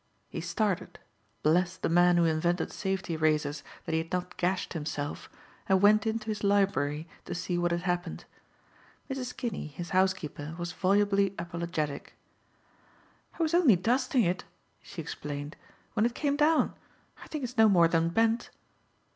He started, blessed the man who invented safety razors, that he had not gashed himself, and went into his library to see what had happened. Mrs. Kinney, his housekeeper, was volubly apologetic. "I was only dusting it," she explained, "when it came down. I think it's no more than bent."